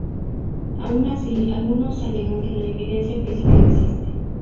Aun así algunos alegan que la evidencia física existe.